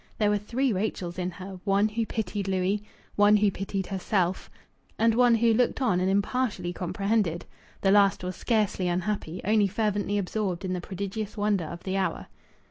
There were three Rachels in her one who pitied Louis, one who pitied herself, and one who looked on and impartially comprehended. The last was scarcely unhappy only fervently absorbed in the prodigious wonder of the hour.